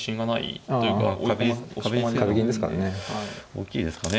大きいですかね。